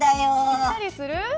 行ったりする。